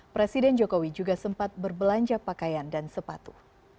presiden jokowi juga sempat berbelanja pakaian dan sepatu